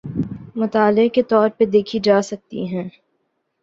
مطالعے کے طور پہ دیکھی جا سکتی ہیں۔